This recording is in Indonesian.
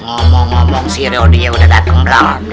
ngomong ngomong si rehody ya udah dateng belum